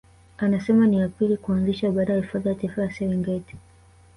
Anasema ni ya pili kuanzishwa baada ya Hifadhi ya Taifa ya Serengeti